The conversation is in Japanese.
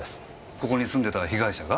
ここに住んでた被害者が？